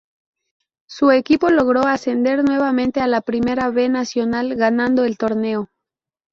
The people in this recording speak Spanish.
Su equipo logró ascender nuevamente a la Primera B Nacional ganando el torneo.